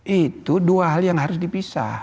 itu dua hal yang harus dipisah